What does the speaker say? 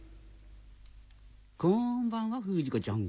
・こんばんは不二子ちゃん。